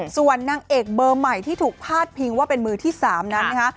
ส่วนนางเอกเบอร์ใหม่ที่ถูกพาดพิงว่าเป็นมือที่๓นั้นนะคะ